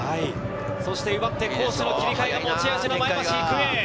奪って攻守の切り替えが持ち味の前橋育英。